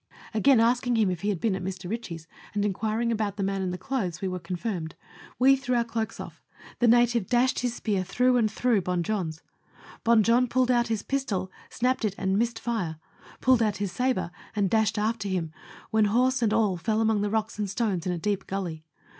Again asking him if he had been at Mr. Ritchie's, and inquiring about the man and clothes, we are confirmed ; we threw our cloaks off; the native dashed his spear through and through Bon Jon's. Bon Jon pulled out his pistol, snapped it, and missed fire ; pulled out his sabre and dashed after him, when horse and all fell among the rocks and stones in a deep gully.